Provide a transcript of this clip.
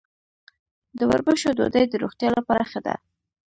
د وربشو ډوډۍ د روغتیا لپاره ښه ده.